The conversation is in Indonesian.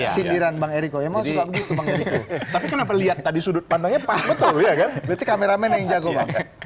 sindiran bang eriko ya mau sih tapi kenapa lihat tadi sudut pandangnya pak betul ya kan